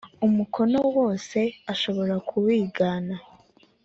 umukono wose ashobora kuwigana